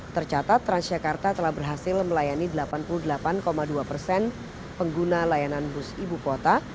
tercatat transjakarta telah berhasil melayani delapan puluh delapan dua persen pengguna layanan bus ibu kota